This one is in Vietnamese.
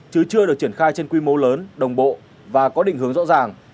chứ chưa được triển khai trên quy mô lớn đồng bộ và có định hướng rõ ràng